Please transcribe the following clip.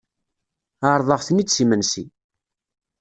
Ɛerḍeɣ-ten-id s imensi.